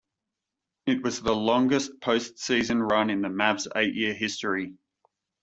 It was the longest postseason run in the Mavs' eight-year history.